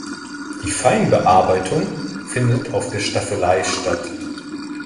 Die Feinbearbeitung findet auf der Staffelei statt.